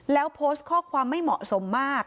แล้วโพสต์ข้อความไม่เหมาะสมมาก